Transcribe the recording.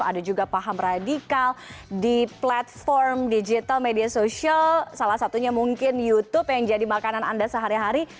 ada juga paham radikal di platform digital media sosial salah satunya mungkin youtube yang jadi makanan anda sehari hari